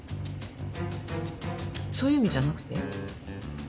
そういう意味じゃなくて？